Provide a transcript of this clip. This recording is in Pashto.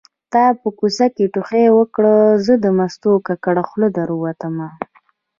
تا په کوڅه کې ټوخی وکړ زه د مستو ککړه خوله در ووتمه